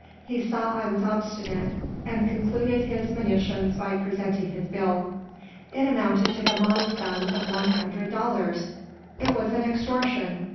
He saw I was obstinate, and concluded his monitions by presenting his bill. It amounted to the modest sum of one hundred dollars! It was an extortion.